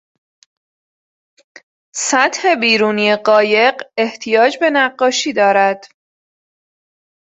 سطح بیرونی قایق احتیاج به نقاشی دارد.